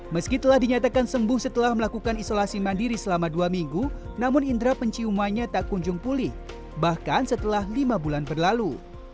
meski telah dinyatakan sembuh setelah melakukan isolasi mandiri selama dua minggu namun indera penciumannya tak kunjung pulih bahkan setelah lima bulan berlalu